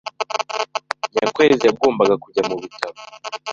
Nyakwezi yagombaga kujya mu bitaro.